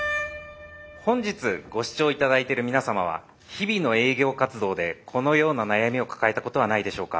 本日ご視聴頂いてる皆さまは日々の営業活動でこのような悩みを抱えたことはないでしょうか。